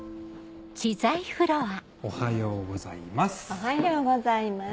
おはようございます。